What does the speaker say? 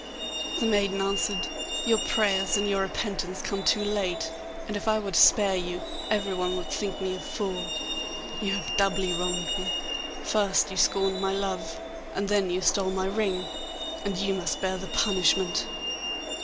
The maiden answered, 'Your prayers and your repentance come too late, and if I were to spare you everyone would think me a fool. You have doubly wronged me; first you scorned my love, and then you stole my ring, and you must bear the punishment.